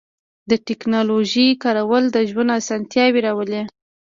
د تکنالوژۍ کارول د ژوند آسانتیاوې راولي.